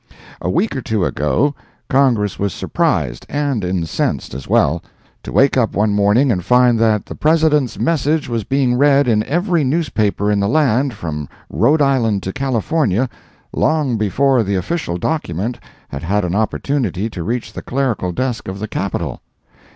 A week or two ago, Congress was surprised—and incensed as well—to wake up one morning and find that the President's Message was being read in every newspaper in the land, from Rhode Island to California, long before the official document had had an opportunity to reach the clerical desk of the Capitol.